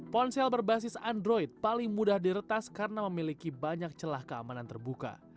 ponsel berbasis android paling mudah diretas karena memiliki banyak celah keamanan terbuka